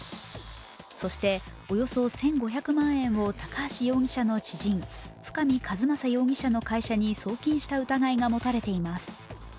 そして、およそ１５００万円を高橋容疑者の知人深見和政容疑者の会社に送金した疑いが持たれています。